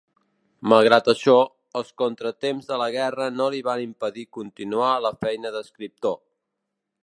Malgrat això, els contratemps de la guerra no li van impedir continuar la feina d'escriptor.